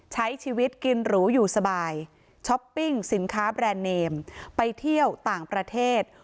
ใช้ชีวิตกินหรูอยู่สบายช้อปปิ้งสินค้าแบรนด์เนมไปเที่ยวต่างประเทศ